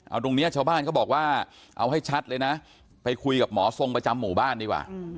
เอาตรงนี้ชาวบ้านเขาบอกว่าเอาให้ชัดเลยนะไปคุยกับหมอทรงประจำหมู่บ้านดีกว่า